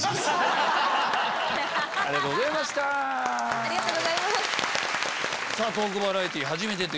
ありがとうございます。